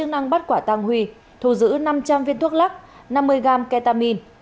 năng bắt quả tăng huy thu giữ năm trăm linh viên thuốc lắc năm mươi gam ketamin